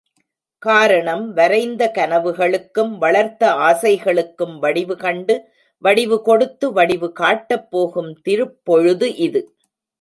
காரணம் வரைந்த கனவுகளுக்கும், வளர்த்த ஆசைகளுக்கும் வடிவு கண்டு, வடிவு கொடுத்து, வடிவு காட்டப்போகும் திருப் பொழுது இது.